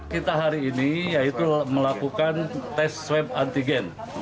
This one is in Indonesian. kita hari ini yaitu melakukan tes swab antigen